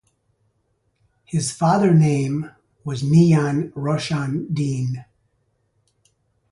His father name was Miyan Roshan Deen.